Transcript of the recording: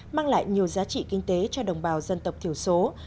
mang lại nhiều giá trị kinh tế cho đồng bào dân tộc thiểu số ở huyện văn chấn tỉnh yên bái